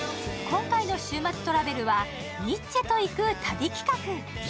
今回の週末トラベルはニッチェと行く旅企画。